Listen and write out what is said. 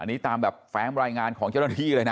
อันนี้ตามแบบแฟ้มรายงานของเจ้าหน้าที่เลยนะ